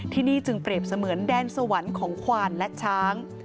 ที่นี่จึงเปรียบเสมือนแดนสวรรค์ของควานและช้าง